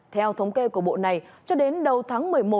theo thống kê của bộ này cho đến đầu tháng một mươi một